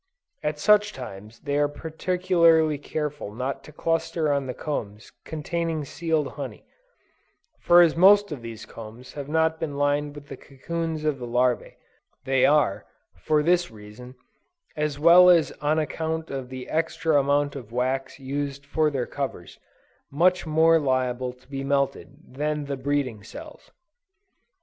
At such times they are particularly careful not to cluster on the combs containing sealed honey; for as most of these combs have not been lined with the cocoons of the larvæ, they are, for this reason, as well as on account of the extra amount of wax used for their covers, much more liable to be melted, than the breeding cells.